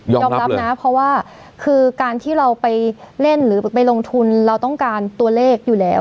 ยอมรับนะเพราะว่าคือการที่เราไปเล่นหรือไปลงทุนเราต้องการตัวเลขอยู่แล้ว